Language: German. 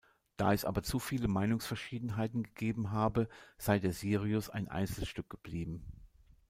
Da es aber zu viele Meinungsverschiedenheiten gegeben habe, sei der Sirius ein Einzelstück geblieben.